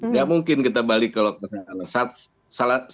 nggak mungkin kita balik ke lokasi